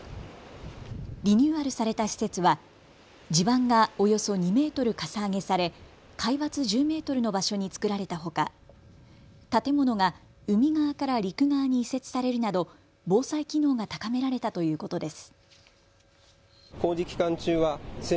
リニューアルされた施設は地盤がおよそ２メートルかさ上げされ海抜１０メートルの場所に造られたほか建物が海側から陸側に移設されるなど防災機能が高められたということです。